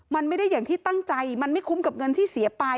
มันไม่ได้อย่างที่ตั้งใจมันไม่คุ้มกับเงินที่เสียไป